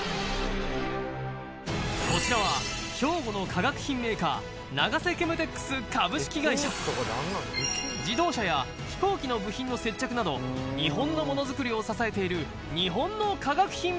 こちらは兵庫の化学品メーカー自動車や飛行機の部品の接着など日本のものづくりを支えている日本の化学品メーカー